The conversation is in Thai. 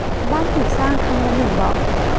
บ้านถูกสร้างครั้งละหนึ่งบล๊อก